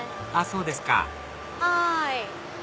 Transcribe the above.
そうですかはい。